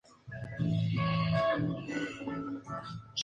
Permite de una manera rápida y eficaz el contacto con otras personas.